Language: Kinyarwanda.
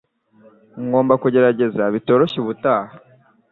Ngomba kugerageza bitoroshye ubutaha.